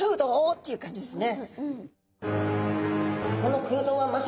っていう感じですね。